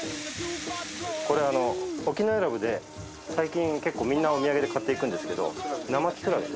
これ沖永良部で最近結構みんなお土産で買っていくんですけど。